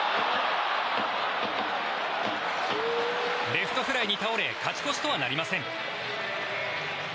レフトフライに倒れ勝ち越しとはなりません。